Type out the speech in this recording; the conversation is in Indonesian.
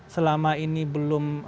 selama ini belum